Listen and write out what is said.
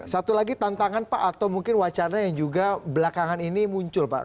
satu lagi tantangan pak atau mungkin wacana yang juga belakangan ini muncul pak